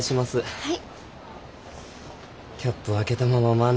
はい。